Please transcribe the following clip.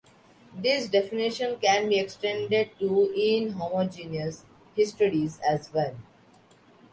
This definition can be extended to inhomogeneous histories as well.